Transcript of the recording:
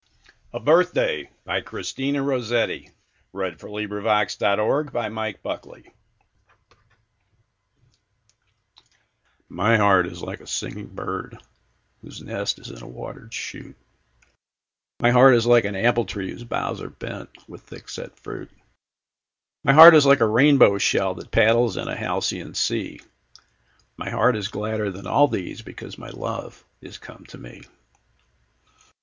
English Verse: 1250–1900. Christina Georgina Rossetti. 1830–1894 780. A Birthday MY heart is like a singing bird Whose nest is in a water'd shoot; My heart is like an apple tree Whose boughs are bent with thick set fruit; My heart is like a rainbow shell 5 That paddles in a halcyon sea; My heart is gladder than all these, Because my love is come to me.